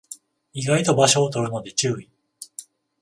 意外と場所を取るので注意